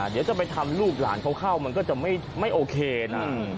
เดี๋ยวจะไปทำลูกหลานเขาเข้ามันก็จะไม่โอเคนะ